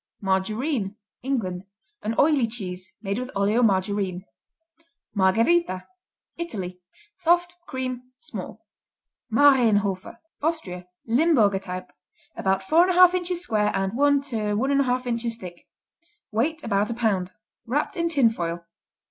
Margarine England An oily cheese made with oleomargarine. Margherita Italy Soft; cream; small. Marienhofer Austria Limburger type. About 4 1/2 inches square and 1 1/2 inches thick; weight about a pound. Wrapped in tin foil.